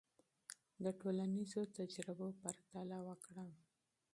د ټولنیزو تجربو پرتله وکړه.